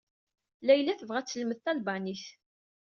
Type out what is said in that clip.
Layla tebɣa ad telmed talbanit.